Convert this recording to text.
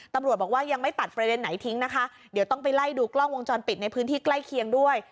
ตำรวจบอกว่ายังไม่ตัดประเด็นไหนทิ้งนะคะเดี๋ยวต้องไปไล่ดูกล้องวงจรปิดในพื้นที่ใกล้เคียงด้วย